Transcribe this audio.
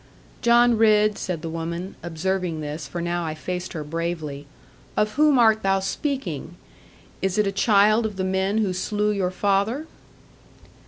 'John Ridd,' said the woman, observing this (for now I faced her bravely), 'of whom art thou speaking? Is it a child of the men who slew your father?'